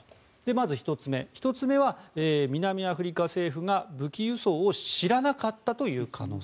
まず１つ目、１つ目は南アフリカ政府が武器輸送を知らなかったという可能性。